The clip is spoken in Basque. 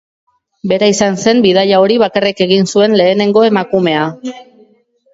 Bera izan zen bidaia hori bakarrik egin zuen lehenengo emakumea.